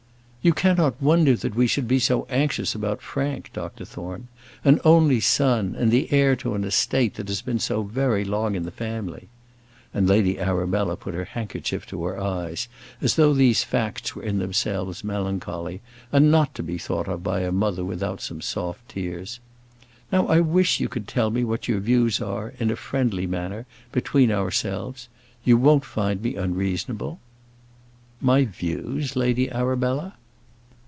"You cannot wonder that we should be so anxious about Frank, Dr Thorne; an only son, and the heir to an estate that has been so very long in the family:" and Lady Arabella put her handkerchief to her eyes, as though these facts were in themselves melancholy, and not to be thought of by a mother without some soft tears. "Now I wish you could tell me what your views are, in a friendly manner, between ourselves. You won't find me unreasonable." "My views, Lady Arabella?"